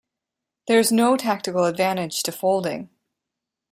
There is no tactical advantage to folding.